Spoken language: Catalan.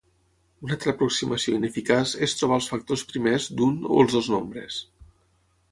Una altra aproximació ineficaç és trobar els factors primers d'un o els dos nombres.